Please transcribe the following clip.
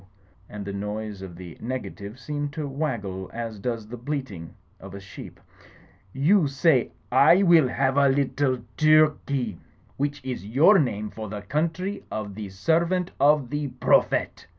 And the noise of the nega tive seemed to waggle as does the bleating of a sheep. "You say, *I will have a little Turkey,' which is your name for the Country of the Servant of the Prophet